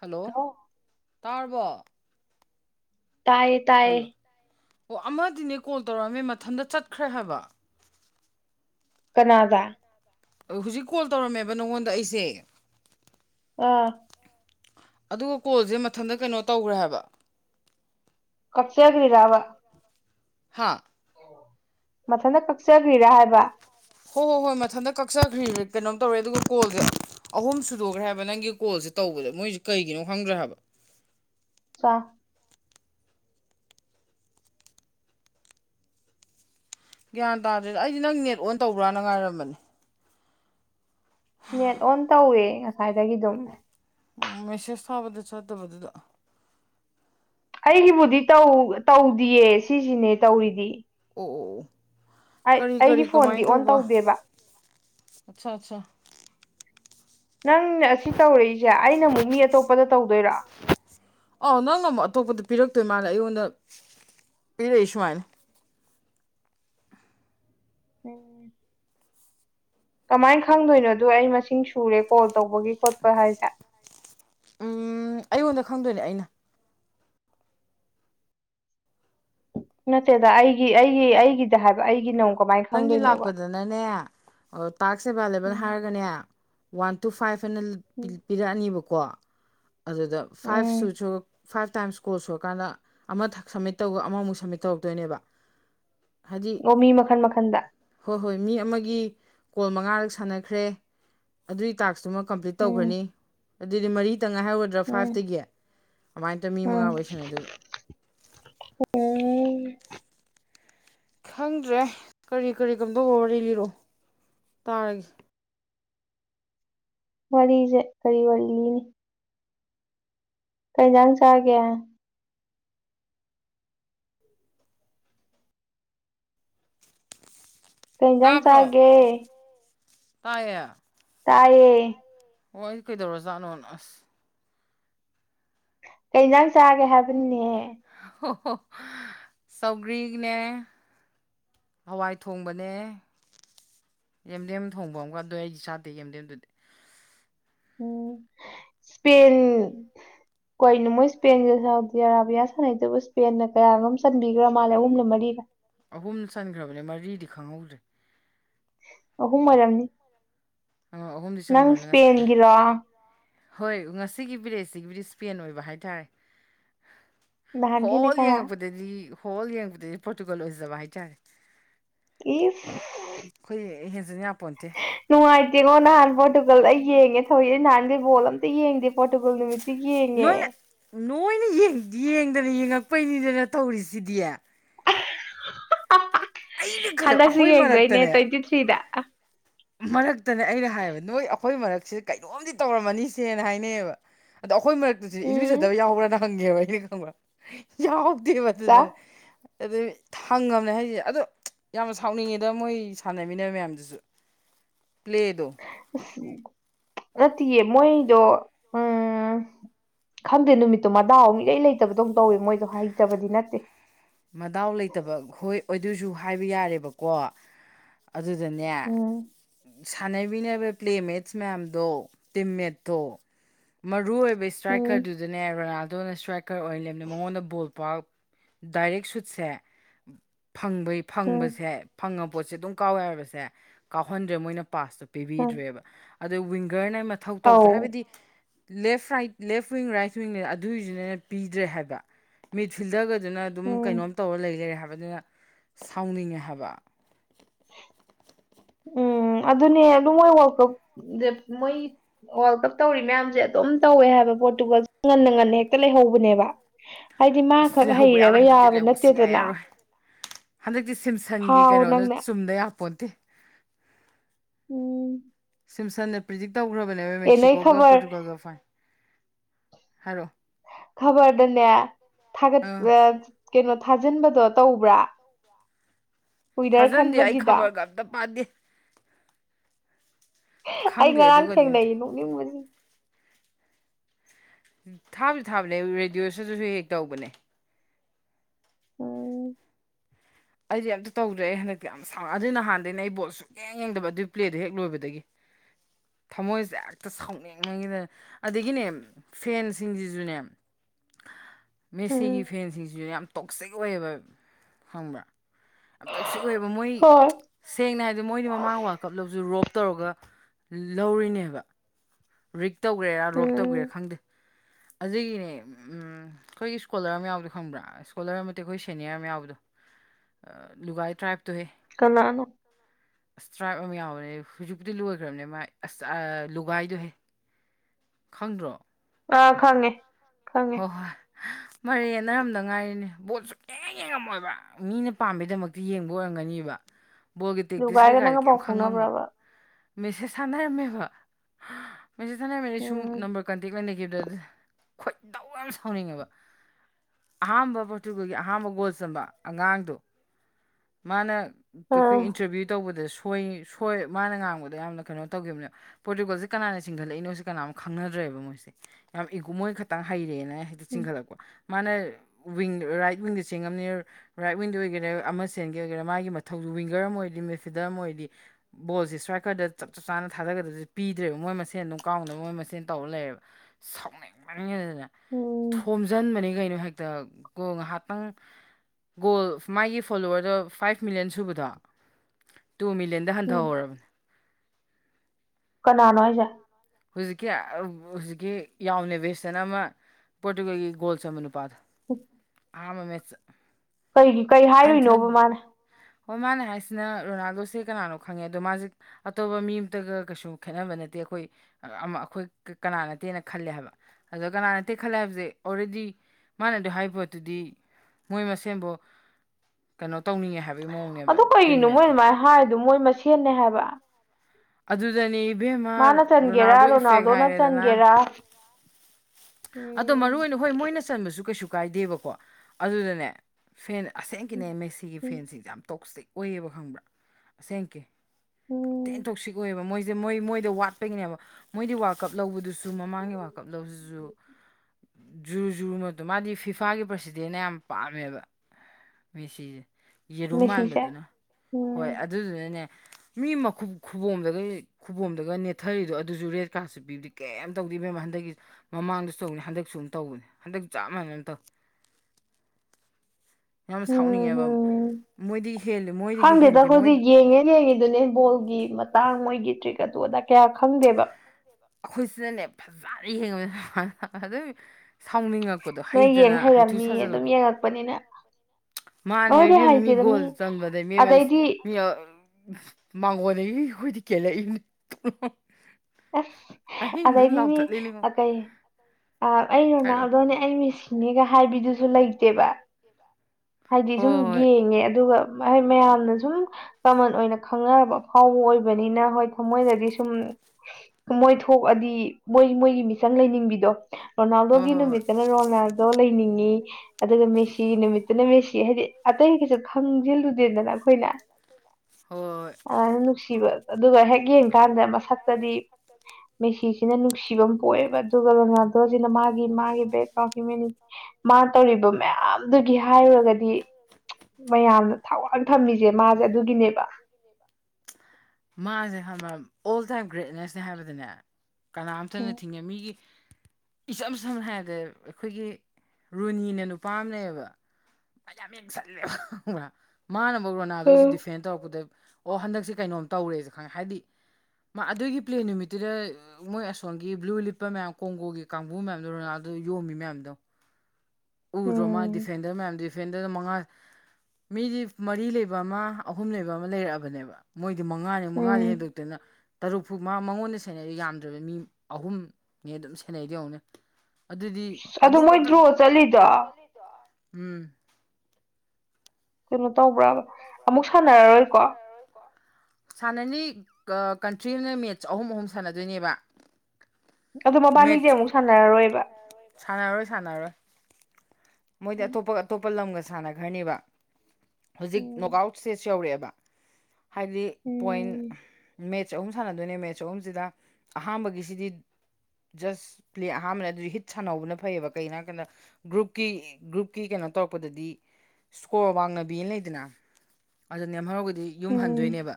Hello ꯑꯣ ꯇꯥꯔꯕꯣ ꯇꯌꯦ ꯇꯌꯦ ꯍꯜꯂꯣ ꯑꯣ ꯑꯃꯗꯤꯅꯦ ꯀꯣꯜ ꯇꯧꯔꯛꯑꯝꯃꯦ ꯃꯊꯟꯇ ꯆꯠꯈ꯭ꯔꯦ ꯍꯥꯏꯕ ꯀꯅꯥꯗ ꯑ ꯍꯧꯖꯤꯛ ꯀꯣꯜ ꯇꯧꯔꯝꯃꯦꯕ ꯅꯪꯉꯣꯟꯗ ꯑꯩꯁꯦ ꯑꯣ ꯑꯗꯨꯒ ꯀꯣꯜꯁꯦ ꯃꯊꯟꯇ ꯀꯩꯅꯣ ꯇꯧꯈ꯭ꯔꯦ ꯍꯥꯏꯕ ꯀꯞꯌꯥꯒꯔꯤ ꯂꯕ ꯍꯥ ꯃꯊꯟꯇ ꯀꯛꯆꯈ꯭ꯔꯤꯔꯥ ꯍꯥꯏꯕ ꯍꯣꯏ ꯍꯣꯏ ꯍꯣꯏ ꯃꯊꯟꯇ ꯀꯛꯆꯈ꯭ꯔꯤꯕ ꯀꯩꯅꯣꯝ ꯇꯧꯔꯦ ꯑꯗꯨꯒ ꯀꯣꯜꯁꯦ ꯑꯍꯨꯝ ꯁꯨꯗꯣꯛꯈ꯭ꯔꯦ ꯍꯥꯏꯕ ꯅꯪꯒꯤ ꯀꯣꯜꯁꯦ ꯇꯧꯕꯗ ꯃꯣꯏꯁꯦ ꯀꯩꯒꯤꯅꯣ ꯈꯪꯗ꯭ꯔ ꯍꯥꯏꯕ ꯁ ꯒ꯭ꯌꯥꯟ ꯇꯥꯗ꯭ꯔꯦꯗ ꯑꯩꯗꯤ ꯅꯪ ꯅꯦꯠ ꯑꯣꯟ ꯇꯧꯕ꯭ꯔꯥꯅ ꯉꯥꯏꯔꯝꯕꯅꯦ ꯅꯦꯠ ꯑꯣꯟ ꯇꯧꯋꯦ ꯉꯁꯥꯏꯗꯒꯤ ꯑꯗꯨꯝ ꯃꯦꯁꯦꯁ ꯊꯥꯕꯗ ꯆꯠꯇꯕꯗꯨꯗ ꯑꯩꯒꯤꯕꯨꯗꯤ ꯇꯧꯗꯤꯌꯦ ꯁꯤꯁꯤꯅꯦ ꯇꯧꯔꯤꯗꯤ ꯑꯣ ꯑꯣ ꯑꯩ ꯀꯔꯤ ꯀꯔꯤ ꯑꯩꯒꯤ ꯐꯣꯟꯗꯤ ꯀꯃꯥꯏꯅ ꯑꯣꯟ ꯇꯧꯕ ꯇꯧꯗꯦꯕ ꯑꯠꯆꯥ ꯑꯠꯆꯥ ꯅꯪ ꯑꯁꯤ ꯇꯧꯔꯛꯏꯁꯦ ꯑꯩꯅ ꯑꯃꯨꯛ ꯃꯤ ꯑꯇꯣꯞꯄꯗ ꯇꯧꯗꯣꯏꯔꯣ ꯑ ꯅꯪ ꯑꯃꯨꯛ ꯑꯇꯣꯞꯄꯗ ꯄꯤꯔꯛꯇꯣꯏ ꯃꯥꯜꯂꯦ ꯑꯩꯉꯣꯟꯗ ꯄꯤꯔꯛꯏ ꯁꯨꯃꯥꯏꯅ ꯑꯣꯝ ꯀꯃꯥꯏꯅ ꯈꯪꯗꯣꯏꯅꯣꯗ ꯑꯩ ꯃꯁꯤꯡ ꯁꯨꯔꯦ ꯀꯣꯜ ꯇꯧꯕꯒꯤꯦ ꯈꯣꯠꯄ ꯍꯥꯏꯁꯦ ꯎ ꯑꯩꯉꯣꯟꯗ ꯈꯪꯗꯣꯏꯅꯦ ꯑꯩꯅ ꯅꯠꯇꯦꯗ ꯑꯩꯒꯤ ꯑꯩꯒꯤ ꯑꯩꯒꯤꯗꯤ ꯍꯥꯏꯕ ꯑꯩꯒꯤ ꯅ ꯅꯪꯒꯤ ꯂꯥꯛꯄꯗꯅꯅꯦ ꯑ ꯄꯥꯥꯛꯁ ꯑꯦꯕꯥꯏꯂꯦꯕꯜ ꯎꯝ ꯍꯥꯏꯔꯒꯅꯦ ꯋꯥꯟ ꯇꯨ ꯐꯥꯏꯚ ꯐꯣꯏꯅ ꯎꯝ ꯄꯤꯔꯛꯑꯅꯤꯕꯀꯣ ꯀꯣ ꯑꯗꯨꯗ ꯐꯥꯏꯚ ꯎꯝ ꯁꯨꯁꯨ ꯐꯥꯏꯚ ꯇꯥꯏꯝꯁ ꯀꯣꯔꯜ ꯁꯨꯔꯀꯥꯟꯗ ꯑꯃ ꯁꯝꯃꯤꯠ ꯇꯧ ꯑꯃꯃꯨꯛ ꯁꯝꯃꯤꯠ ꯇꯧꯔꯛꯇꯣꯏꯅꯦꯕ ꯑꯣ ꯃꯤ ꯃꯈꯟ ꯃꯈꯟꯗ [unintelligible] ꯑꯍꯣꯏ ꯃꯤ ꯑꯃꯒꯤ ꯀꯣꯜ ꯃꯉꯥꯔꯛ ꯁꯥꯟꯅꯈ꯭ꯔꯦ ꯑꯗꯨꯒꯤ ꯇꯥꯛꯁꯇꯨꯃ ꯀꯝꯄ꯭ꯂꯤꯠ ꯎꯝ ꯇꯧꯈ꯭ꯔꯅꯤ ꯑꯗꯨꯗꯤ ꯃꯔꯤ ꯈꯤꯇꯪ ꯉꯥꯏꯍꯒꯗ꯭ꯔꯥ ꯎꯝ ꯐꯥꯏꯚꯇꯒꯤ ꯑꯗꯨꯃꯥꯏꯅ ꯇꯧ ꯃꯤ ꯃꯉꯥ ꯎꯝ ꯑꯣꯏꯁꯅꯗꯣꯏꯕ ꯎꯝ ꯈꯪꯗ꯭ꯔꯦ ꯀꯔꯤ ꯀꯔꯤ ꯀꯝꯗꯧꯕ ꯋꯥꯔꯤ ꯂꯤꯔꯣ ꯇꯥꯔꯒꯦ ꯋꯥꯔꯤꯁꯦ ꯀꯔꯤ ꯋꯥꯔꯤꯂꯤꯅꯤ ꯀꯩꯖꯥꯡ ꯆꯥꯒꯦ ꯀꯦꯟꯖꯥꯟ ꯆꯥꯒꯦ ꯇꯌꯦ ꯇꯥꯏꯌꯦ ꯍ ꯑꯩ ꯀꯩꯗꯧꯔꯖꯥꯠꯅꯣ ꯑꯁ ꯀꯩꯖꯥꯡ ꯆꯥꯒꯦ ꯍꯥꯏꯕꯅꯤꯅꯦꯍ ꯑꯣ ꯆꯧꯒ꯭ꯔꯤꯅꯦ ꯍꯋꯥꯏ ꯊꯣꯡꯕꯅꯦ ꯌꯦꯦꯝꯗꯦꯝ ꯊꯣꯡꯕ ꯑꯃꯒ ꯑꯗꯨ ꯑꯩꯁꯨ ꯁꯥꯠꯇꯦ ꯌꯦꯦꯝꯗꯦꯝꯗꯨꯗꯤ ꯎꯝ ꯏꯁꯄꯦꯟ ꯀꯅꯣ ꯃꯣꯏ ꯏꯁꯄꯦꯟꯒ ꯌꯥꯥꯕꯤ ꯌꯥ ꯁꯥꯟꯅꯩꯗꯨꯕꯨ ꯏꯁꯄꯦꯟꯅ ꯀꯌꯥꯒꯣꯝ ꯆꯟꯕꯤꯈ꯭ꯔꯥ ꯃꯥꯜꯂꯦ ꯑꯍꯨꯝꯂ ꯃꯔꯤꯒ ꯑꯍꯨꯝ ꯆꯟꯈ꯭ꯔꯕꯅꯦ ꯃꯔꯤꯗꯤ ꯈꯪꯍꯧꯗ꯭ꯔꯦ ꯑꯍꯨꯝ ꯑꯣꯏꯝꯅꯤ ꯑꯥ ꯑꯍꯨꯝꯗꯤ ꯅꯪ ꯆꯟꯈ꯭ꯔꯕꯅꯦ ꯉꯁ ꯁꯄꯦꯒꯔꯥ ꯍꯣꯏ ꯉꯁꯤꯒꯤ ꯕꯔꯦꯖꯁꯤꯒꯤ ꯕꯨ ꯏꯁꯄꯦꯟ ꯑꯣꯏꯕ ꯍꯥꯏꯇꯥꯔꯦ ꯅꯍꯥꯟꯈꯩꯅ ꯍꯣꯜ ꯀꯅꯥ ꯌꯦꯡꯉꯛꯄꯗꯗꯤ ꯍꯣꯜ ꯌꯦꯡꯉꯛꯄꯗꯗꯤ ꯐꯣꯇꯤꯀꯣꯜ ꯑꯣꯏꯖꯕ ꯍꯥꯏꯆꯔꯦ ꯏ ꯁꯤꯥ ꯅꯨꯡꯥꯏꯇꯦ ꯌꯦꯉ ꯅꯍꯥꯟ ꯄꯣꯔꯇꯨꯒꯜꯗ ꯌꯦꯡꯉꯦ ꯊꯧꯏꯦ ꯅꯍꯥꯟꯗꯤ ꯕꯣꯜ ꯑꯝꯇ ꯌꯦꯡꯗꯦ ꯄꯣꯔꯇꯨꯒꯜ ꯅꯨꯃꯤꯠꯇ ꯅꯣꯏꯅ ꯅꯣꯏꯅ ꯌꯦꯡꯗꯅ ꯌꯦꯡꯉ ꯆꯄꯩꯅꯤꯗꯅ ꯇꯧꯔꯤꯁꯤꯗꯤ ꯑꯩꯅ [unintelligible] ꯈꯜꯂꯦꯕ ꯍꯟꯗꯛꯁꯨ ꯑꯩꯈꯣꯏ ꯌꯦꯡꯗꯣꯏꯅꯦ ꯃꯔꯛꯇꯅꯦ ꯇ꯭ꯋꯦꯟꯇꯤ ꯊ꯭ꯔꯤꯗ ꯃꯔꯛꯇꯅꯦ ꯑꯩꯅ ꯍꯥꯏꯕ ꯅꯣꯏ ꯑꯩꯈꯣꯏ ꯃꯔꯛꯁꯤꯗ ꯀꯩꯅꯣꯝꯗꯤ ꯇꯧꯔꯝꯃꯅꯤꯁꯦꯅ ꯍꯥꯏꯅꯩꯑꯕ ꯑꯗꯣ ꯑꯩꯈꯣꯏ ꯃꯔꯛꯇꯗꯤ ꯎꯝ ꯏꯟꯕꯤꯖꯗꯕ ꯌꯥꯎꯕ꯭ꯔꯅ ꯈꯪꯉꯦꯕ ꯑꯩꯩꯅ ꯈꯪꯕ ꯌꯥꯎ ꯕ ꯑꯗꯨ ꯆꯥ ꯑꯗꯨ ꯍꯪꯉꯕꯅꯦ ꯍꯥꯏꯁꯦ ꯑꯗꯣ ꯌꯥꯝꯅ ꯁꯥꯎꯅꯤꯡꯉꯦꯗ ꯃꯣꯏ ꯁꯥꯟꯅꯃꯤꯟꯅꯕ ꯃꯌꯥꯝꯗꯨꯁꯨ ꯄ꯭ꯂꯦꯗ ꯅꯠꯇꯦꯌꯦ ꯃꯣꯏꯗꯣ ꯎꯝ ꯈꯪꯗꯦ ꯅꯨꯃꯤꯠꯇꯨ ꯃꯗꯥ ꯑꯃꯨꯛꯂꯩ ꯂꯩꯇꯕꯗꯧ ꯇꯧꯋꯦ ꯃꯣꯏꯗꯣ ꯍꯩꯇꯕꯗꯤ ꯅꯠꯇꯦ ꯃꯗꯥꯎ ꯂꯩꯇꯕ ꯈꯣꯏ ꯑꯗꯨꯁꯨ ꯍꯥꯏꯕ ꯌꯥꯔꯦꯕꯀꯣ꯫ ꯑꯗꯨꯗꯅꯦ꯫ ꯎꯝ ꯁꯥꯟꯅꯕꯤꯅꯕ ꯄ꯭ꯂꯦꯃꯦꯠꯁ ꯃꯌꯥꯝꯗꯣ ꯇꯤꯝꯃꯦꯠꯇꯣ ꯃꯔꯨ ꯑꯣꯏꯕ ꯎꯝ ꯏꯁꯇ꯭ꯔꯥꯏꯀꯔꯗꯨꯗꯅꯦ ꯔ ꯑꯗꯨꯣꯅ ꯏꯁꯇ꯭ꯔꯥꯏꯀꯔ ꯑꯣꯏꯅ ꯂꯦꯝꯅꯤ ꯃꯉꯣꯟꯗ ꯕꯣꯜ ꯄꯥ ꯗꯥꯏꯔꯦꯛ ꯁꯨꯠꯁꯦ ꯐꯪꯕꯩ ꯎꯝ ꯐꯪꯕꯁꯦ ꯐꯪꯉ ꯄꯣꯠꯁꯦ ꯑꯗꯨꯝ ꯀꯥꯎꯋꯦ ꯍꯥꯏꯕꯁꯦ ꯀꯥꯎꯍꯟꯗ꯭ꯔꯦ ꯃꯣꯏꯅ ꯄꯥꯁꯇꯣ ꯎꯝ ꯄꯤꯕꯤꯗ꯭ꯔꯦꯕ ꯑꯗꯋꯤꯡ ꯒꯔꯅ ꯃꯊꯧ ꯇꯧꯗ꯭ꯔꯦ ꯑꯧ ꯍꯥꯏꯕꯗꯤ left right left wing right ꯋꯤꯡꯅꯦ ꯑꯗꯨꯏꯗꯨꯅꯦꯅ ꯄꯤꯗ꯭ꯔꯦ ꯍꯥꯏꯕ ꯃꯤꯠ ꯐꯤꯜꯗꯔꯒꯗꯨꯅ ꯑꯗꯨꯝ ꯎꯝ ꯀꯩꯅꯣꯝ ꯇꯧꯔꯒ ꯂꯩꯔꯦ ꯍꯥꯏꯕꯗꯨꯅ ꯁꯥꯎꯅꯤꯡꯉꯩ ꯍꯥꯏꯕ ꯎꯝ ꯑꯗꯨꯅꯦ ꯑꯗꯨꯝ ꯃꯣꯏ ꯋꯥꯔꯜ ꯀꯞ ꯃꯣꯏ ꯋꯥꯔꯜ ꯀꯞ ꯇꯧꯔꯤ ꯃꯌꯥꯝꯁꯦ ꯑꯗꯨꯝ ꯇꯧꯋꯦ ꯍꯥꯏꯕ ꯄꯣꯔꯇꯨꯒꯜ ꯉꯟꯅ ꯉꯟꯅ ꯍꯦꯛꯇ ꯂꯩꯍꯧꯕꯅꯦꯕ ꯍꯥꯏꯗꯤ ꯑꯁ ꯃꯥꯈꯛ ꯂꯩꯍꯧꯕ ꯍꯩꯔꯒ ꯌꯥꯎꯔꯣꯏ ꯍꯟꯗꯛꯇꯤ ꯌꯥꯕ ꯂꯩꯍꯧꯕ ꯁꯨꯌꯥ ꯅꯠꯇꯦꯗꯅ ꯌꯥꯔꯣꯏ ꯍꯟꯗꯛꯇꯤ ꯁꯤꯝꯁꯟꯒꯤ ꯐꯥꯎ ꯀꯩꯅꯣꯗ ꯅꯪꯅ ꯆꯨꯝꯗ ꯌꯥꯄꯣ [unintelligible] ꯎꯝ ꯁꯤꯝꯁꯟꯅ ꯄ꯭ꯔꯖꯤ ꯇꯧꯈ꯭ꯔꯕꯅꯦꯕ ꯑꯦ ꯅꯣꯏ ꯃꯦꯛꯁꯤꯀꯣꯒ ꯈꯕꯔ ꯄꯣꯔꯇꯨꯒꯜꯒ ꯐꯥꯏ ꯍꯥꯏꯔꯣ ꯈꯕꯔꯗꯅꯦ ꯊ ꯑꯥ ꯀꯩꯅꯣ ꯊꯥꯖꯤꯟꯕꯗꯣ ꯇꯧꯕ꯭ꯔꯥ ꯀꯨꯏꯅꯔ ꯊꯥꯖꯟꯗꯦ ꯑꯩ ꯈꯟꯕꯒꯤꯗ ꯈꯕꯔꯒ ꯑꯝꯇ ꯄꯥꯗꯦ ꯑꯩ ꯈꯪꯗꯦ ꯉꯔꯥꯡ ꯑꯗꯨꯒꯗꯤ ꯊꯦꯡꯅꯩ ꯑꯝꯇ ꯅꯣꯛꯅꯤꯡꯕꯁꯦ ꯊꯥꯕꯁꯨ ꯊꯥꯕꯅꯦ ꯔꯦꯗꯤꯑꯣꯁꯤꯗꯁꯨ ꯍꯦꯛ ꯇꯧꯕꯅꯦ ꯎꯝ ꯑꯩꯗꯤ ꯑꯝꯇ ꯇꯧꯗ꯭ꯔꯦ ꯍꯟꯗꯛꯇꯤ ꯌꯥꯝ ꯁꯥꯎ ꯑꯗꯨꯏ ꯅꯍꯥꯟꯗꯒꯤꯩꯅ ꯑꯩ ꯕꯣꯠ ꯁꯨꯛ ꯌꯦꯡ ꯌꯦꯡꯗꯕ ꯑꯗꯨꯏ ꯄ꯭ꯂꯦꯗꯣ ꯍꯦꯛ ꯂꯣꯏꯕꯗꯒꯤ ꯊꯝꯃꯣꯏꯁꯦ ꯍꯦꯛꯇ ꯁꯥꯎꯅꯤꯡꯕꯒꯤꯗ ꯑꯗꯒꯤꯅꯦ ꯐꯦꯟꯁꯤꯡꯁꯤꯁꯨꯅꯦ ꯃꯦꯁꯤꯒꯤ ꯎꯝ ꯐꯦꯟꯁꯤꯡꯁꯤꯁꯨ ꯌꯥꯝ ꯇꯣꯛꯆꯩ ꯑꯣꯏꯌꯦꯕ ꯐꯪꯕ ꯌꯥꯝ ꯇꯛꯁꯨ ꯑꯣꯏꯏꯑꯕ ꯃꯣꯏ ꯍꯣꯏ ꯁꯦꯡꯅ ꯍꯥꯏꯗ ꯃꯣꯏꯗꯤ ꯃꯃꯥꯡ ꯋꯥꯔꯜ ꯀꯞ ꯂꯧꯁꯨ ꯔꯣꯞ ꯇꯧꯔꯒ ꯂꯧꯔꯤꯅꯦꯕ ꯔꯤꯛ ꯇꯧꯒ꯭ꯔꯦꯔꯥ ꯔꯣꯞ ꯇꯧꯒꯦꯥ ꯎꯝ ꯈꯪꯗꯦ ꯑꯗꯨꯒꯤꯅꯦ ꯑꯩꯈꯣꯏꯒꯤ ꯏꯁꯀꯣꯂꯔ ꯃꯎꯗꯣ ꯈꯪꯕ꯭ꯔꯥ ꯏꯁꯀꯣꯂꯔ ꯅꯦ ꯑꯩꯈꯣꯏ ꯁꯦꯅꯤꯌꯔ ꯌꯥꯎꯕꯗꯣ ꯂꯨꯒꯥꯏ ꯇ꯭ꯔꯥꯏꯞꯇꯨꯍꯦ ꯀꯅꯥꯅꯣ ꯑꯁꯇ꯭ꯔꯥꯏꯞ ꯑꯃ ꯌꯥꯎꯕꯅꯦ ꯍꯧꯖꯤꯛꯄꯨꯗꯤ ꯂꯣꯏꯈ꯭ꯔꯕꯅꯦ ꯃꯥ ꯑꯁ ꯂꯨꯒꯥꯏꯗꯨꯣꯏꯍꯦ ꯈꯪꯗ꯭ꯔꯣ ꯑ ꯈꯪꯉꯦ ꯈꯪꯉꯦ ꯍꯣꯏ ꯍꯣꯏ ꯃꯔꯦ ꯅꯔꯝꯗ ꯉꯥꯏꯔꯤꯅꯦ ꯕꯣꯠꯁꯨ ꯀꯈꯤ ꯌꯦꯡꯉꯝꯃꯣꯏꯕ ꯃꯤꯅ ꯄꯥꯝꯕꯩꯗꯃꯛꯇꯤ ꯌꯦꯡꯕ ꯑꯣꯏꯔꯝꯒꯅꯤꯕ ꯕꯣꯜꯒꯤ ꯇꯦꯛꯇꯤꯁ ꯂꯨꯒꯥꯏꯒ ꯀꯩꯀꯥꯁꯦ ꯅꯪꯒ ꯄꯥꯎ ꯀꯩꯝ ꯈꯪꯉꯝꯃꯣꯏ ꯐꯥꯎꯅꯕ꯭ꯔꯕ ꯃꯦꯁꯦꯁ ꯁꯥꯟꯅꯔꯝꯃꯦꯕ ꯃꯁꯤ ꯊꯥꯅꯔꯃꯤꯅꯦ ꯑꯩ ꯁꯨꯝ ꯎꯝ ꯅꯝꯕꯔ ꯀꯟꯇꯦꯛ ꯑꯣꯏꯅꯈꯤꯕ ꯑꯗꯨ ꯈꯣꯏꯗꯧ ꯌꯥꯝ ꯁꯥꯎꯅꯤꯡꯉꯦꯕ ꯑꯍꯥꯝꯕ ꯄꯣꯔꯇꯨꯒꯜꯒꯤ ꯑꯍꯝꯕ ꯒꯣꯜ ꯆꯝꯕ ꯑꯉꯥꯡꯗꯣ ꯃꯥꯅ ꯈꯣꯏ ꯑꯥ ꯏꯟꯇꯔꯚꯤꯌꯨ ꯇꯧꯕꯗꯁꯨ ꯁꯣꯏ ꯃꯥꯅ ꯉꯥꯡꯕ ꯤꯡꯣ꯭ꯔꯦ ꯍ ꯎꯝ ꯆꯁꯤꯡꯤꯡꯈꯂꯀ ꯃ ꯋꯤꯡ ꯔꯥꯏꯠ ꯋꯤꯡꯗ ꯆꯦꯟꯉꯝꯅꯤ ꯔꯥꯏꯠ ꯋꯤꯡꯗ ꯑꯣꯏꯒꯦꯔꯥ ꯑꯃ ꯆꯦꯟꯒꯦ ꯑꯣꯏꯒꯦꯔꯥ ꯃꯥꯒꯤ ꯃꯊꯧꯗꯨꯣ ꯋꯤꯡꯒꯔ ꯑꯃ ꯑꯣꯏꯔꯗꯤ ꯐꯤꯗꯝ ꯑꯣꯏꯗꯤ ꯕꯣꯜꯁꯤ ꯁ꯭ꯇ꯭ꯔꯥꯏ ꯗ ꯆꯞ ꯆꯥꯅ ꯊꯥꯒꯗ꯭ꯔꯗꯤ ꯄꯤꯗ꯭ꯔꯦꯕ ꯃꯣꯏ ꯃꯁꯦꯟ ꯑꯗꯨꯝ ꯀꯥꯎꯅꯕ ꯃꯣꯏ ꯃꯁꯦꯟ ꯇꯧꯔ ꯂꯩꯔꯌꯦꯕ ꯁꯥꯎꯅꯤꯡꯅꯤꯡ ꯎꯝ ꯊꯣꯝꯖꯥꯟꯥꯏꯅ ꯍꯦꯛꯇ ꯒꯣꯜ ꯉꯥꯏꯍꯥꯛꯇꯪ ꯒꯣꯜ ꯃꯥꯒꯤ ꯐꯣꯂꯣꯋꯔꯗꯣ ꯐꯥꯏꯚ ꯃꯤꯂꯤꯌꯟ ꯁꯨꯕꯗꯣ ꯇꯨ ꯃꯤꯂꯤꯌꯟꯗ ꯎꯝ ꯍꯟꯊꯍꯧꯔꯕꯅꯦ ꯀꯅꯥꯅꯣ ꯍꯥꯏꯁꯦ ꯍꯧꯖꯤꯛꯀꯤ ꯍꯨꯖꯤꯛꯀꯤ ꯌꯥꯎꯕꯅꯦ ꯕꯤꯁ ꯍꯥꯏꯅ ꯑꯃ ꯄꯣꯔꯇꯨꯒꯜꯒꯤ ꯒꯣꯜ ꯆꯟꯕ ꯅꯨꯄꯥꯗꯣ ꯑꯍꯥꯟꯕ ꯃꯦꯠꯁꯇ ꯀꯩꯒꯤ ꯀꯩ ꯍꯥꯏꯔꯨꯏꯅꯣꯕ ꯃꯥꯅ ꯍꯣꯏ ꯃꯥꯅ ꯍꯥꯏꯁꯤꯅ ꯔꯣꯅꯥꯜꯗꯣꯁꯦ ꯀꯅꯥꯅꯣ ꯈꯪꯉꯦ ꯑꯗꯣ ꯃꯥꯁꯦ ꯑꯇꯣꯞꯄ ꯃꯤ ꯑꯝꯇꯒ ꯀꯩꯁꯨ ꯈꯦꯠꯅꯕ ꯅꯠꯇꯦ ꯑꯩꯈꯣꯏ ꯑꯃ ꯑꯩꯈꯣꯏ ꯀꯅꯥ ꯅꯠꯇꯦꯅ ꯈꯜꯂꯦ ꯍꯥꯏꯕ ꯑꯗꯣ ꯀꯅꯥ ꯅꯠꯇꯦ ꯈꯜꯂꯦ ꯍꯥꯏꯕꯁꯦ ꯑꯣꯜꯔꯦꯗꯤ ꯃꯥꯅ ꯑꯗꯨ ꯍꯥꯏꯔꯤ ꯄꯣꯠꯇꯨꯗꯤ ꯃꯣꯏ ꯃꯁꯦꯟꯕꯧ ꯀꯩꯅꯣ ꯇꯧꯅꯤꯡꯉꯦ ꯍꯥꯏꯕ ꯑꯗꯨ ꯀꯩꯒꯤꯅꯣ ꯃꯣꯏ ꯑꯗꯨꯃꯥꯏꯅ ꯍꯥꯏ ꯗꯨꯃꯣꯏ ꯃꯁꯦꯟꯅꯦ ꯍꯥꯏꯕ ꯑꯗꯨ ꯗꯅꯦꯌꯦ ꯃꯥꯅ ꯆꯟꯒꯦꯔꯥ ꯔꯣꯅꯥꯜꯗꯣꯅ ꯍꯥꯏꯔꯦꯗꯅ ꯆꯟꯒꯦꯔꯥ ꯑꯗꯣ ꯃꯔꯨ ꯎꯝ ꯑꯣꯏꯅ ꯍꯣꯏ ꯃꯣꯏꯅ ꯆꯟꯕꯁꯨ ꯀꯩꯁꯨ ꯀꯥꯏꯗꯦꯕꯀꯣ ꯑꯗꯨꯗꯅꯦ ꯐꯦꯟ ꯑꯁꯦꯡꯀꯤꯅꯦ ꯎꯝ ꯃꯦꯁꯤꯒꯤ ꯎꯝ ꯐꯦꯟꯁꯤꯡꯁꯦ ꯌꯥꯝ ꯇꯣꯛꯆꯤꯛ ꯑꯣꯏꯌꯦꯕ ꯈꯪꯕ꯭ꯔꯥ ꯑꯁꯦꯡꯀꯤ ꯎꯝ ꯇꯦꯟꯊꯣꯛꯁꯤꯛ ꯑꯣꯏꯕ ꯃꯣꯏ ꯃꯣꯏ ꯃꯣꯏꯗ ꯋꯥꯠꯄꯒꯤꯅꯦꯕ ꯃꯣꯏꯗꯤ ꯋꯥꯜꯀꯞ ꯂꯧꯕꯗꯨꯁꯨ ꯃꯃꯥꯡꯒꯤ ꯋꯥꯜꯀꯞ ꯂꯧꯖꯨ ꯖꯨꯔ ꯖꯨꯔ ꯃꯠꯇꯣ ꯃꯥꯗꯤ ꯐꯤꯐꯥꯒꯤ ꯄ꯭ꯔꯁꯤꯗꯦꯟꯅ ꯌꯥꯝ ꯄꯥꯝꯃꯦꯕ ꯃꯤꯁꯤꯖꯦ꯫ ꯌꯦꯔꯨꯝ ꯃꯦꯁꯤꯁꯦ ꯃꯥꯟꯕꯗꯨꯅ ꯍꯣꯏ ꯎꯝ ꯑꯗꯨꯗꯨꯅꯅꯦ ꯃꯤ ꯃꯈꯨ ꯈꯨꯕꯣꯝꯗꯒ ꯈꯨꯕꯣꯝꯗꯒ ꯅꯦꯠꯊꯔꯤꯗꯣ ꯑꯗꯨꯁꯨ ꯔꯦꯠ ꯀꯥꯔꯠꯁꯨ ꯄꯤꯕꯗꯤ ꯀꯩꯝ ꯇꯧꯗꯦ ꯃꯦꯝ ꯍꯟꯗꯛꯀꯤ ꯃꯃꯥꯡꯗꯁꯨ ꯇꯧꯅꯤ ꯍꯟꯗꯛꯁꯨ ꯑꯗꯨ ꯇꯧꯕꯅꯦ ꯍꯟꯗꯛ ꯆꯞ ꯃꯥꯟꯅꯅ ꯇꯧꯏ꯫ ꯎꯝ ꯎꯝ ꯍꯦꯜꯂꯤ ꯃꯣꯏꯗꯒꯤ ꯈꯪꯗꯦꯗ ꯍꯦꯟꯒꯦ ꯃꯣꯏ ꯑꯈꯣꯏꯗꯤ ꯌꯦꯡꯉꯦꯅ ꯌꯦꯡꯉꯤꯗꯨꯅꯦ ꯕꯣꯜꯒꯤ ꯃꯇꯥꯡ ꯃꯣꯏꯒꯤꯇ꯭ꯔꯤꯛ ꯑꯗꯨ ꯑꯗꯥ ꯀꯌꯥ ꯈꯪꯗꯦꯕ ꯑꯈꯣꯏꯁꯤꯅꯅꯦ ꯐꯖꯔ ꯌꯦꯡꯉꯥꯝꯃꯦ [unintelligible] ꯑꯗꯨ ꯁꯥꯎꯅꯤꯡꯉꯛ ꯄꯗꯣ ꯅꯣꯏ ꯍꯩꯇꯅ ꯌꯦꯡ ꯍꯩꯊꯨ ꯍꯩꯔꯝꯅꯤ ꯑꯗꯨꯝ ꯁꯥꯖꯜꯂꯛꯄꯗꯣ ꯌꯦꯡꯉꯛꯄꯅꯤꯅ ꯃꯥꯅꯦ ꯍꯥꯏ ꯑꯩꯈꯣꯏꯗꯤ ꯏꯕꯝꯃꯥ ꯃꯤ ꯍꯩꯇꯦꯗ ꯒꯣꯜ ꯆꯟꯕꯗ ꯏꯕꯝꯃꯥ ꯏꯁ ꯑꯗꯩꯗꯤ ꯃꯤꯑ ꯃꯥꯡꯒꯣꯟꯗꯒꯤ ꯍꯣꯏꯗꯤ ꯀꯦꯜꯂꯛꯏꯅꯤ ꯑꯁ ꯑꯗꯩꯗꯤ ꯃꯤ ꯑ ꯀꯩ ꯑꯩ ꯍꯥꯏꯔꯛꯑꯣ ꯔꯣꯅꯥꯜꯗꯣꯅꯦ ꯑꯩ ꯃꯤꯁ ꯅꯤꯒ ꯍꯥꯏꯕꯤꯗꯨꯁꯨ ꯂꯩꯇꯦꯕ ꯍꯥꯏꯗꯤ ꯁꯨꯝ ꯍꯣꯏ ꯌꯦꯡꯉꯦ ꯑꯗꯨꯒ ꯀꯃꯥꯏꯍꯥꯏ ꯃꯌꯥꯝꯅ ꯁꯨꯝ ꯀꯃꯟ ꯑꯣꯏꯅ ꯈꯪꯅꯔꯕ ꯑ ꯐꯥꯎꯕ ꯑꯣꯏꯕꯅꯤꯅ ꯍꯣꯏ ꯊꯃꯣꯏꯗꯗꯤ ꯁꯨꯝ ꯃꯣꯏ ꯊꯣꯛꯑꯗꯤ ꯃꯣꯏ ꯃꯣꯏꯒꯤ ꯃꯤꯆꯪ ꯂꯩꯅꯤꯡꯕꯤꯗꯣ ꯍꯣꯏ ꯔꯣꯅꯥꯜꯗꯣꯒꯤ ꯍꯣꯏ ꯍꯣꯏ ꯅꯨꯃꯤꯠꯇꯅ ꯔꯣꯅꯥꯜꯗꯣ ꯂꯩꯅꯤꯡꯉꯤ ꯑꯗꯨꯒ ꯃꯦꯁꯤ ꯅꯨꯃꯤꯠ ꯑꯗꯨꯅ ꯃꯦꯁꯤ ꯍꯥꯏꯗꯤ ꯑꯇꯩꯒꯤꯁꯨ ꯈꯪꯖꯤꯟꯂꯨꯗꯦꯗꯅ ꯑꯩꯈꫭꯏꯅ ꯍꯣꯏ ꯍꯣꯏ ꯑꯗꯥꯏꯅ ꯅꯨꯡꯁꯤꯕ ꯑꯗꯨꯒ ꯍꯦꯛ ꯌꯦꯡꯀꯥꯟꯗ ꯃꯁꯥꯛꯇꯗꯤ ꯃꯦꯁꯤꯁꯤꯅ ꯅꯨꯡꯁꯤꯕ ꯑꯃ ꯄꯣꯛꯑꯦꯕ ꯑꯗꯨꯒ ꯔꯣꯅꯥꯜꯗꯣꯖꯤꯅ ꯃꯥꯒꯤ ꯃꯥꯒꯤ ꯕꯦꯛꯒ꯭ꯔꯥꯎꯟ ꯍ꯭ꯌꯨꯃꯤꯅꯤ ꯃꯥ ꯇꯧꯔꯤꯕ ꯃꯌꯥꯝꯗꯨ ꯃꯌꯥꯝꯅ ꯊꯋꯥꯡꯅ ꯊꯝꯃꯤꯁꯦ ꯃꯥꯁꯦ ꯑꯗꯨꯒꯤꯅꯦꯕ ꯃꯥꯁꯦ ꯈꯪꯕ꯭ꯔ ꯑꯣꯜ ꯇꯥꯏꯝ ꯒ꯭ꯔꯦꯠꯅꯦꯁꯅꯦ ꯍꯥꯏꯕꯗꯅꯦ ꯀꯅꯥꯝꯇꯅ ꯊꯤꯡꯉꯦ ꯃꯤꯒꯤ ꯏꯆꯝ ꯁꯝꯅ ꯍꯥꯏꯔꯕꯗꯦ ꯑꯩꯈꯣꯏꯒꯤ ꯔꯨꯅꯤꯅ ꯅꯨꯄꯥ ꯑꯃꯅꯦꯌꯦꯕ ꯃ ꯌꯥꯝ ꯌꯦꯡ ꯆꯠꯂꯦꯕ ꯎ ꯃꯅ ꯑꯃ ꯔꯣꯅꯥꯜꯗꯣꯁꯤ ꯎꯝ ꯗꯤꯐꯦꯟ ꯇꯧꯔꯛꯄꯗ ꯑꯣ ꯍꯟꯗꯛꯁꯦ ꯀꯩꯅꯣꯝ ꯇꯧꯔꯦꯁ ꯈꯪꯉꯦ ꯍꯥꯏꯗꯤ ꯃꯥ ꯑꯗꯨꯒꯤ ꯄ꯭ꯂꯦꯟ ꯅꯨꯃꯤꯠꯇꯨꯗ ꯃꯣꯏ ꯑꯁꯣꯝꯒꯤ ꯕ꯭ꯂꯨ ꯂꯤꯞꯄ ꯃꯌꯥꯝ ꯀꯣꯡꯒꯣꯒꯤ ꯀꯥꯡꯕꯨ ꯃꯌꯥꯝꯗꯣ ꯔꯣꯅꯥꯜꯗꯣ ꯌꯣꯝꯃꯤ ꯃꯌꯥꯝꯗꯣ ꯎꯔꯣ ꯃꯥ ꯎꯝ ꯗꯤꯐꯦꯟꯗꯔ ꯃꯌꯥꯝꯗꯤ ꯐꯦꯟꯗꯗ ꯃꯉꯥ ꯃꯤꯗꯤ ꯃꯔꯤ ꯂꯩꯕ ꯑꯃ ꯑꯍꯨꯝ ꯂꯩꯕ ꯑꯃ ꯂꯩꯔꯛꯑꯕꯅꯦꯕ ꯃꯣꯏ ꯃꯉꯥꯅꯦ ꯎꯝ ꯃꯉꯥꯗꯤ ꯍꯦꯟꯗꯣꯛꯇꯦꯅ ꯇꯔꯨꯛ ꯐꯨ ꯃꯥ ꯃꯉꯣꯟꯗ ꯁꯦꯟꯅꯩ ꯌꯥꯝꯗ꯭ꯔꯕ ꯃꯤ ꯑꯍꯨꯝꯅꯤ ꯑꯗꯨꯝ ꯁꯦꯟꯅꯩꯗꯤ ꯌꯧꯅꯦ ꯑꯗꯨ ꯃꯣꯏ ꯗ꯭ꯔꯨ ꯆꯠꯂꯤ ꯁꯨ ꯆꯂꯤꯗ ꯎꯝ ꯀ ꯁꯥꯟꯅꯅꯤ ꯀꯟꯇ꯭ꯔꯤ ꯑꯃꯅ ꯃꯦꯠꯆ ꯑꯍꯨꯝ ꯑꯍꯨꯝ ꯁꯥꯟꯅꯗꯣꯏꯅꯦꯕ ꯑꯣ ꯃꯕꯥꯅꯤꯁꯦ ꯃꯦꯠꯆ ꯑꯃꯨꯛ ꯁꯥꯟꯅꯔꯔꯣꯏꯕ ꯁꯥꯟꯅꯔꯣꯏ ꯁꯥꯟꯅꯔꯣꯏ ꯃꯣꯏꯗꯤ ꯎꯝ ꯑꯇꯣꯞꯄ ꯑꯇꯣꯞꯄ ꯂꯝꯒꯦ ꯁꯥꯟꯅꯈ꯭ꯔꯅꯦꯕ ꯎꯝ ꯍꯧꯖꯤꯛ ꯅꯣꯛ ꯑꯥꯎꯠꯁꯦꯁꯨ ꯌꯧꯔꯛꯑꯦꯕ ꯕꯥ ꯍꯥꯏꯗꯤ ꯄꯣꯏꯟ ꯎꯝ ꯃꯦꯠ ꯃꯦꯠꯆ ꯑꯍꯨꯝ ꯁꯥꯟꯅꯗꯣꯏꯅꯦ ꯃꯦꯠꯆ ꯑꯍꯨꯝꯁꯤꯗ ꯑꯍꯥꯥꯟꯕꯒꯤꯁꯤꯗꯤ ꯖꯁ ꯄ꯭ꯂꯦ ꯑꯍꯥꯟꯕꯅ ꯑꯗꯨꯗꯤ ꯍꯤꯠ ꯁꯥꯟꯧꯕꯅ ꯐꯩꯌꯦꯕ ꯀꯒꯤꯣ ꯍꯥꯏꯕ ꯀꯥꯟꯗ ꯒ꯭ꯔꯨꯞ ꯀꯤ ꯒ꯭ꯔꯨꯞꯀꯤ ꯀꯩꯅꯣ ꯇꯧꯔꯛꯄꯗꯗꯤ ꯁ꯭ꯀꯣꯔ ꯋꯥꯡꯅꯕꯤꯅ ꯂꯩꯗꯅ ꯑꯗꯨ ꯅꯍ ꯑꯗꯨ ꯌꯨꯝ ꯎꯝ ꯍꯟꯗꯣꯏꯅꯦꯕ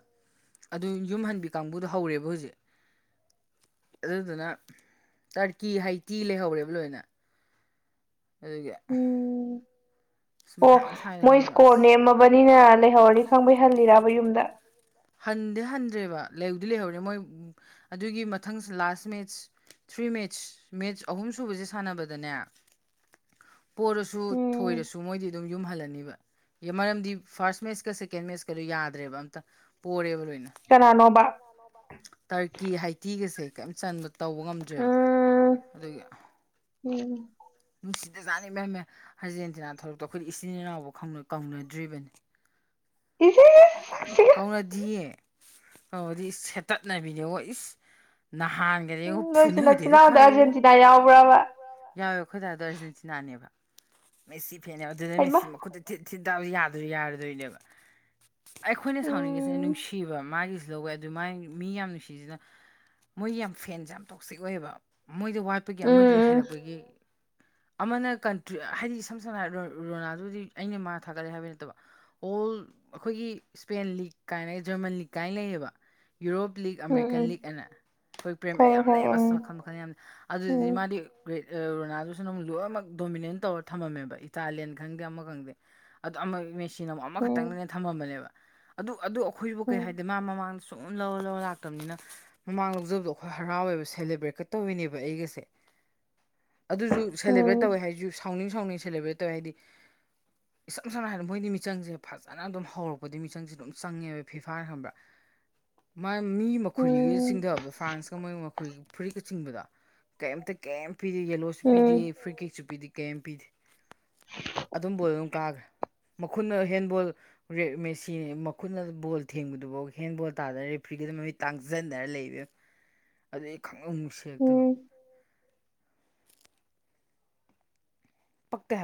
ꯑꯗꯨ ꯌꯨꯝ ꯍꯟꯕꯤ ꯀꯥꯡꯕꯨꯗꯣ ꯍꯧꯔꯦꯕ ꯍꯧꯖꯤꯛ ꯑꯗꯨꯗꯨꯅ ꯇꯔꯀꯤ ꯍꯩꯇꯤ ꯂꯩꯍꯧꯔꯦꯕ ꯂꯣꯏꯅ ꯑꯩꯗꯒꯤ ꯎꯝ ꯑꯣ ꯃꯣꯏ ꯑꯁ ꯏꯁꯀꯣꯔ ꯅꯦꯝꯃꯕꯅꯤꯅ ꯂꯩꯍꯧꯔꯅꯤ ꯈꯪꯕꯩ ꯍꯜꯂꯤꯔꯔꯕ ꯌꯨꯝꯗ ꯂꯩꯧꯗꯤ ꯂꯩꯍꯧꯔꯦ ꯃꯣꯏ ꯑꯗꯨꯒꯤ ꯃꯊꯪꯁ last match three match match ꯑꯍꯨꯝ ꯁꯨꯕꯁꯦ ꯁꯥꯟꯅꯕꯗꯅꯦ ꯄꯔꯁꯨ ꯎꯝ ꯊꯣꯏꯔꯁꯨ ꯁꯨ ꯃꯣꯏꯗꯤ ꯑꯗꯨꯝ ꯌꯨꯝꯍꯜꯂꯅꯤꯕ ꯃꯔꯝꯗꯤ ꯐꯥꯔꯁ ꯃꯦꯠꯁꯀ ꯁꯦꯀꯦꯟ ꯃꯦꯠꯁꯀꯗꯣ ꯌꯥꯗ꯭ꯔꯦꯕ ꯑꯝꯇ ꯄꯣꯔꯦꯕ ꯂꯣꯏꯅ ꯀꯅꯥꯅꯣꯕ ꯇꯔ ꯀ ꯍꯥꯏꯥꯏ ꯊꯤꯒꯁꯦ ꯀꯁ ꯇꯧꯕ ꯉꯝꯗ꯭ꯔꯦꯕ ꯎꯝ ꯑꯗꯨꯒꯒꯤ ꯎꯝ ꯅꯨꯡꯁꯤꯗꯖꯥꯠꯅꯤ ꯏꯕꯦꯝꯃ ꯑꯥꯔꯖꯦꯟꯇꯤꯅ ꯊꯣꯛꯂꯛꯇ ꯑꯩꯈꯣꯏ ꯏꯆꯤꯟ ꯏꯅꯥꯎꯐꯥꯎ ꯈꯪꯕ꯭ꯔꯥ ꯀꯧꯅꯗ꯭ꯔꯤꯕꯅꯤ ꯏꯁ ꯏꯁ ꯏꯁ ꯁꯛꯁꯤꯒ ꯇꯗꯤ ꯁꯦꯠꯇꯠꯅꯕꯤꯅꯤ ꯑꯣ ꯏꯁ ꯅꯍꯥꯟꯒꯗꯤꯀꯣ ꯎꯝ ꯅꯣꯏꯁꯨ ꯐꯨꯅꯗꯦꯗ ꯅꯆꯤꯟꯅꯥꯎꯗ ꯈꯥꯛꯏ ꯏꯕꯦꯝꯃ ꯑꯥꯔꯖꯦꯟꯇꯤꯅꯥ ꯌꯥꯎꯕ꯭ꯔꯕ ꯌꯥꯎꯏ ꯑꯩꯈꯣꯏ ꯗꯥꯗꯣ ꯑꯥꯔꯖꯦꯟꯇꯤꯅꯥꯅꯦꯕ ꯃꯦꯁꯤ ꯐꯦꯟꯅꯦꯕ ꯑꯗꯨꯗꯅꯦ ꯍꯩꯃꯥ ꯃꯦꯁꯤ ꯃꯈꯨꯠꯁꯦ ꯊꯤꯟ ꯊꯤꯟ ꯗꯥꯎꯁꯦ ꯌꯥꯗꯣꯏ ꯌꯥꯔꯗꯣꯏꯅꯦꯕ ꯑꯩꯈꯣꯏꯅ ꯁꯥꯎꯅꯤꯡꯉꯤꯁꯦ ꯎꯝ ꯅꯨꯡꯁꯤꯕ ꯃꯥꯒꯤ ꯁꯤ ꯂꯧꯋꯦ ꯑꯗꯨ ꯃꯥꯥꯏ ꯃꯤ ꯌꯥꯝ ꯅꯨꯡꯁꯤꯁꯤꯅ ꯃꯣꯏꯒꯤ ꯌꯥꯝ ꯐꯦꯟꯁꯦ ꯌꯥꯝ ꯇꯣꯛꯁꯤꯛ ꯑꯣꯏꯌꯦꯕ ꯃꯣꯏꯗ ꯋꯥꯠꯄꯒꯤ ꯑꯃꯗꯨꯅꯤ ꯎꯝ ꯎꯝ ꯍꯦꯜꯂꯛꯄꯒꯤ ꯑꯃꯅ ꯀꯟꯇ꯭ꯔꯤ ꯍꯥꯏꯗꯤ ꯏꯁꯝ ꯁꯝꯅ ꯍꯥꯏ ꯔꯣꯅꯥꯜꯗꯣꯁꯤ ꯑꯩꯅ ꯃꯥ ꯊꯥꯒꯠꯂꯦ ꯍꯥꯏꯕꯩ ꯅꯠꯇꯕ ꯑꯣꯜ ꯑꯩꯈꯣꯏꯒꯤ ꯏꯁꯄꯦꯟ ꯂꯤꯒ ꯀꯥꯏꯅ ꯖꯔꯃꯟ ꯂꯤꯒ ꯀꯥꯏꯅ ꯂꯩꯌꯦꯕ Europe league um American um league ꯑꯅ ꯑꯩꯈꯣꯏ ꯄ꯭ꯔꯦꯝ ꯈꯪꯉꯦ ꯌꯥꯝ ꯂꯩꯌꯦꯕ ꯑꯁ ꯈꯪꯉꯦ ꯃꯈꯜ ꯃꯈꯜ ꯌꯥꯝ ꯂꯩ ꯑꯗꯨꯗꯗꯤ ꯎꯝ ꯃꯥꯗꯤ ꯒ꯭ꯔꯦꯠ ꯔꯣꯅꯥꯜꯗꯣ ꯂꯣꯏꯅꯃꯛ ꯗꯣꯃꯤꯅꯦꯟ ꯇꯧꯔ ꯊꯝꯃꯝꯃꯦꯕ ꯏꯇꯥꯂꯤꯌꯥꯟ ꯈꯪꯗꯦ ꯑꯃ ꯈꯪꯗꯦ ꯑꯃ ꯃꯦꯁꯤ ꯅ ꯑꯃꯨꯛ ꯎꯝ ꯑꯃꯈꯛꯇꯪꯗꯅꯦ ꯊꯝꯃꯝꯕꯅꯦꯕ ꯑꯗꯨ ꯑꯗꯨ ꯑꯩꯈꯣꯏꯕꯨ ꯀꯩ ꯎꯝ ꯍꯥꯏꯗꯤ ꯃꯥ ꯃꯃꯥꯡꯗꯁꯨ ꯁꯨꯝ ꯂꯧꯔ ꯂꯧꯔ ꯂꯥꯛꯇꯕꯅꯤꯅ ꯃꯃꯥꯡ ꯂꯧꯖꯕꯗꯣ ꯑꯩꯈꯣꯏ ꯍꯔꯥꯎꯋꯦꯕ ꯁꯦꯂꯦꯕ꯭ꯔꯦꯠꯀ ꯇꯧꯔꯤꯅꯦꯕ ꯑꯩꯒꯁꯦ꯫ ꯁꯦꯂꯦꯕ꯭ꯔꯦꯠ ꯇꯧꯋꯦ ꯎꯝ ꯍꯥꯏꯁꯨꯨ ꯁꯥꯎꯅꯤꯡ ꯁꯥꯎꯅꯤꯡ ꯁꯦꯂꯦꯕ꯭ꯔꯦꯠ ꯇꯧꯋꯦ ꯍꯥꯏꯗꯤ ꯏꯁꯝ ꯁꯝꯅ ꯍꯥꯏꯔꯕꯗ ꯃꯣꯏꯗꯤ ꯃꯤꯆꯪꯁꯦ ꯐꯖꯅ ꯑꯗꯨꯝ ꯍꯧꯔꯛꯄꯗꯤ ꯃꯤꯆꯪꯁꯦ ꯑꯗꯨꯝ ꯆꯪꯉꯦꯕ ꯐꯤꯐꯥ ꯈꯟꯕ꯭ꯔꯥ ꯃꯥ ꯃꯤ ꯎꯝ ꯃꯈꯨꯔꯤꯒꯩ ꯆꯤꯡꯗꯕꯗꯣ ꯐ꯭ꯔꯥꯟꯁꯀ ꯃꯣꯏ ꯃꯈꯨꯔꯤ ꯐꯨꯔꯤꯠ ꯆꯤꯡꯕꯗ ꯀꯩꯝꯇ ꯀꯩꯝ ꯄꯤꯗꯦ ꯎꯝ ꯎꯝ ꯄꯤꯗꯦ ꯐ꯭ꯔꯤ ꯀꯤꯛꯁꯨ ꯄꯤꯗꯦ ꯀꯩꯝ ꯄꯤꯗꯦ ꯑꯗꯨꯝ ꯕꯣꯜꯗꯣ ꯑꯗꯨꯝ ꯀꯥꯈ꯭ꯔꯦ ꯃꯈꯨꯠꯅ ꯍꯦꯟꯕꯣꯜ ꯃꯈꯨꯠꯅ ꯕꯣꯜ ꯊꯦꯡꯕꯗꯨꯐꯥꯎ ꯍꯦꯟꯕꯣꯜ ꯇꯥꯗꯅ ꯔꯦꯐ꯭ꯔꯤꯒꯤꯗ ꯃꯃꯤꯠ ꯇꯥꯡꯁꯤꯟꯗꯅ ꯂꯩ ꯏꯕꯦꯝꯃ ꯑꯗꯨꯗꯒꯤ ꯅꯨꯡꯁꯤꯔꯛꯇꯕ ꯎꯝ ꯄꯛꯇꯦ ꯍꯥꯏꯕ